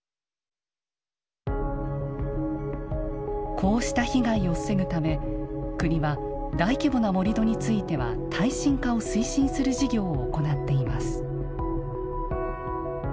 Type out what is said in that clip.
こうした被害を防ぐため国は大規模な盛土については耐震化を推進する事業を行っています。